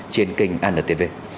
trên kênh anntv